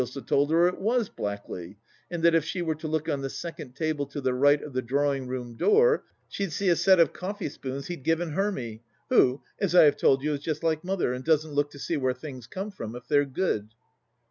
Dsa told her that it was Blackley, and that if she were to look on the second table to the right of the drawing room door she'd see a set of coffee spoons he'd given Hermy, who, as I have told you, is just like Mother, and doesn't look to see where things come from if they're good.